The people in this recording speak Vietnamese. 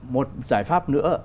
một giải pháp nữa